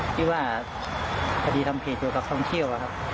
ดิว่าพอดีทำเพจอยู่กับท่องเที่ยวครับ